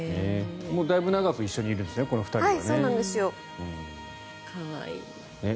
だいぶ長く一緒にいるんですね、この２人は。